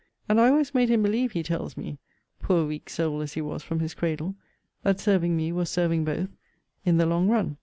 And I always made him believe, he tells me, (poor weak soul as he was from his cradle!) that serving me, was serving both, in the long run.